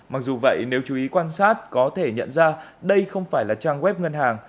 mặc dù vậy nếu chú ý quan sát có thể nhận ra đây không phải là trang web ngân hàng